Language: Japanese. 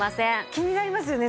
気になりますよね